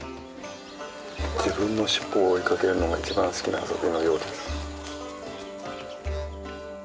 自分の尻尾を追いかけるのが一番好きな遊びのようです。